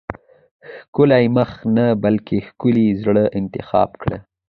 ښکلی مخ نه بلکې ښکلي زړه انتخاب کړه.